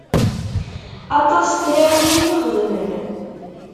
Aṭas n tlawin i t-ixedmen.